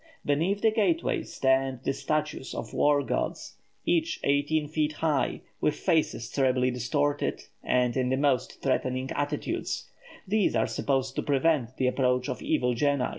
Beneath the gateway stand the statues of war gods, each eighteen feet high, with faces terribly distorted, and in the most threatening attitudes; these are supposed to prevent the approach of evil genii.